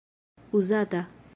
uzata